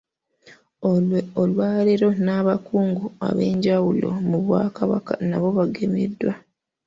Olwaleero n’abakungu ab’enjawulo mu Bwakabaka nabo bagemeddwa.